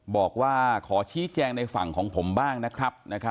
บอกว่าขอชี้แจงในฝั่งของผมบ้างนะครับ